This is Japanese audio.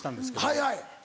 はいはい。